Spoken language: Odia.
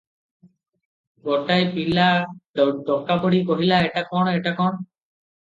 ଗୋଟାଏ ପିଲା ଡକାପଡ଼ି କହିଲା, ଏଟା କ'ଣ ଏଟା କ'ଣ?